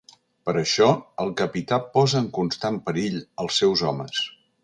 Per a això, el capità posa en constant perill als seus homes.